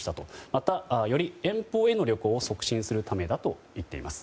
また、より遠方への旅行を促進するためだと言っています。